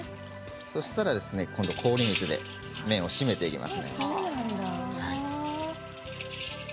そうしたら今度は氷水で締めていきます。